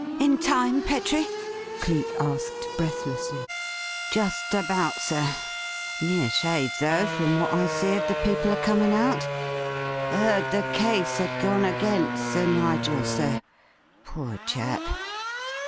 "In time, Petrie?" Cleek asked breathlessly. "Just about, sir. Near shave, though, from what I see of the people a comin' out. 'Eard the case 'ad gone against Sir Nigel, sir poor chap.